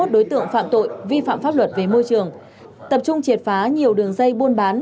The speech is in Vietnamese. một tám trăm bốn mươi một đối tượng phạm tội vi phạm pháp luật về môi trường tập trung triệt phá nhiều đường dây buôn bán